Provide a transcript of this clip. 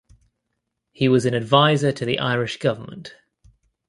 He was an advisor to the Irish government.